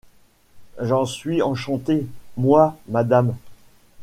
J’en suis enchanté, moi, madame.